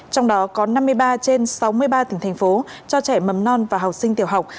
trong đó có năm mươi ba trên sáu mươi ba tỉnh thành phố cho trẻ mầm non và học sinh tiểu học